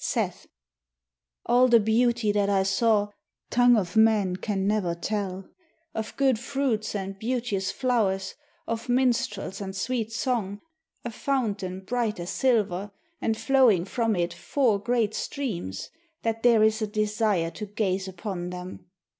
Seth All the beauty that I saw Tongue of man can never tell, Of good fruits and beauteous flowers, Of minstrels and sweet song, A fountain bright as silver, And flowing from it four great streams, That there is a desire to gaze upon them.